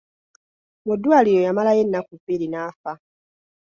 Mu ddwaliro yamalayo ennaku bbiri n'afa.